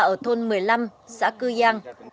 ở thôn một mươi năm xã cư giang